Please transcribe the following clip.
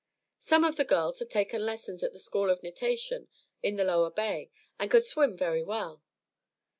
Some of the girls had taken lessons in the "School of Natation" in the lower bay, and could swim very well.